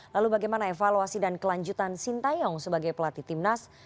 lalu bagaimana evaluasi dan kelanjutan sintayong sebagai pelatih timnas